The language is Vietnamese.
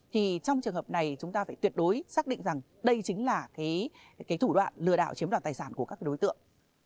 trong trường hợp này chúng ta phải tuyệt đối xác định rằng đây chính là thủ đoạn lừa đảo chiếm đoàn tài sản của các đối tượng